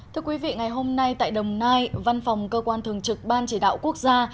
thưa quý vị ngày hôm nay tại đồng nai văn phòng cơ quan thường trực ban chỉ đạo quốc gia